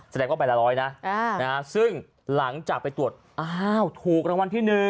แสดงว่าใบละร้อยนะซึ่งหลังจากไปตรวจอ้าวถูกรางวัลที่๑